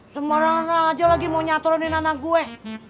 semua anak anak aja lagi mau nyatoranin anak gue